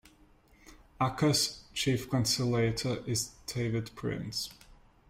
Acas' chief conciliator is David Prince.